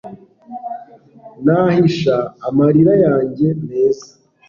Nahisha amarira yanjye meza